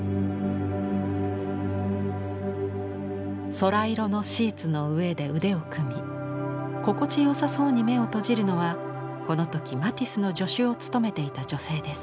空色のシーツの上で腕を組み心地よさそうに目を閉じるのはこの時マティスの助手を務めていた女性です。